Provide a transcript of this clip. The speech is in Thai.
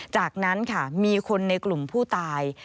จากนั้นค่ะมีคนในกลุ่มผู้ตาย